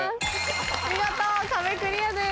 見事壁クリアです。